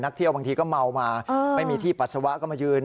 เที่ยวบางทีก็เมามาไม่มีที่ปัสสาวะก็มายืน